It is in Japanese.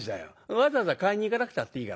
わざわざ買いに行かなくたっていいから。